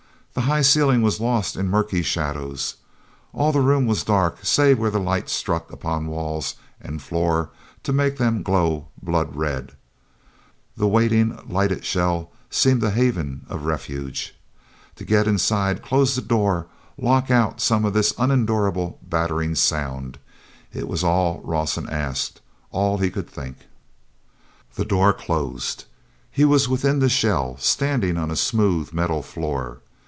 The high ceiling was lost in murky shadows. All the room was dark save where that light struck upon walls and floor to make them glow blood red. The waiting lighted shell seemed a haven of refuge. To get inside, close the door, lock out some of this unendurable, battering sound—it was all Rawson asked, all he could think. The door closed. He was within the shell, standing on a smooth metal floor.